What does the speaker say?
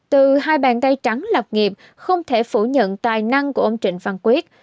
từ hai bàn tay trắng lọc nghiệp không thể phủ nhận tài năng của ông trịnh văn quyết